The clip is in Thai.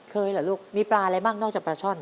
เหรอลูกมีปลาอะไรบ้างนอกจากปลาช่อน